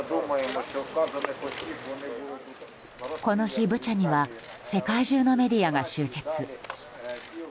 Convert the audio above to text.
この日、ブチャには世界中のメディアが集結。